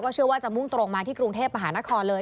เชื่อว่าจะมุ่งตรงมาที่กรุงเทพมหานครเลย